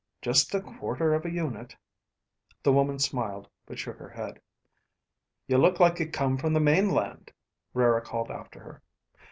Just a quarter of a unit ..." The woman smiled, but shook her head. "You look like you come from the mainland," Rara called after her.